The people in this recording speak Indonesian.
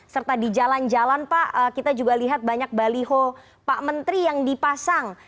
serta di jalan jalan pak kita juga lihat banyak baliho pak menteri yang dipasang